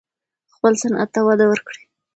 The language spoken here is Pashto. خپل صنعت ته وده ورکړئ.